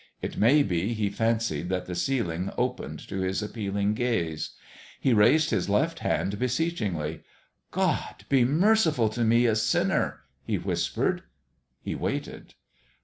It may be he fancied that the ceiling opened to his appealing gaze. He raised his left hand beseechingly. " God, be mer ciful to me, a sinner !" he whispered. He waited.